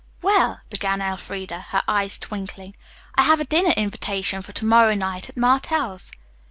"Well," began Elfreda, her eyes twinkling, "I have a dinner invitation for to morrow night at Martell's."